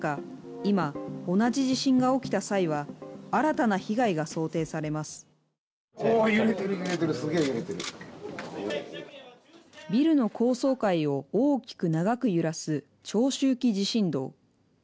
今同じ地震が起きた際は新たな被害が想定されますビルの高層階を大きく長く揺らす長周期地震動